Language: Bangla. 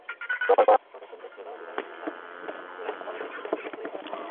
প্রকল্প প্রদর্শনীতে ছিল ভিকারুন্নিসা নূন স্কুল অ্যান্ড কলেজের শিক্ষার্থীদের তৈরি করা প্রকল্প।